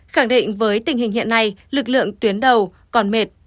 khẳng định với tình hình hiện nay lực lượng tuyến đầu còn mệt